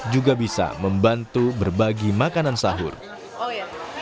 juga bisa mencari penyedia makanan sahur gratis